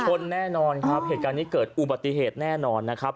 ชนแน่นอนครับเหตุการณ์นี้เกิดอุบัติเหตุแน่นอนนะครับ